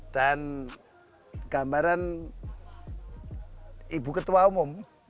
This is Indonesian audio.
dan gambaran ibu ketua umum